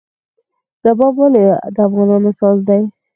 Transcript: رباب ولې د افغانانو ساز دی؟